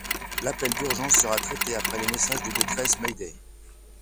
L'appel d'urgence sera traité après les messages de détresse Mayday.